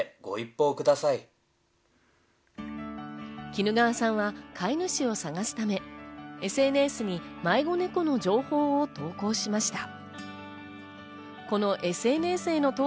衣川さんは飼い主を探すため、ＳＮＳに迷子猫の情報を投稿しました。